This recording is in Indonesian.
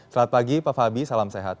selamat pagi pak fabi salam sehat